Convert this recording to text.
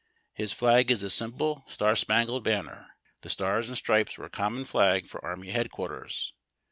His flag is the simple star spangled banner. The stars and stripes were a common flag for army head quarters.